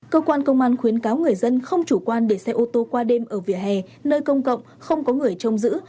cơ quan công an khuyến cáo người dân không chủ quan để xe ô tô qua đêm ở vỉa hè nơi công cộng không có người trông giữ